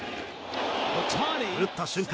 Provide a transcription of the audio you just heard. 打った瞬間